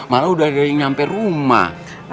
malah udah ada yang nyampe rumah